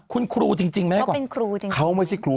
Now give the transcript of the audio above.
คุณครูจริงจริงไหมก่อนเขาเป็นครูจริงจริงเขาไม่ใช่ครู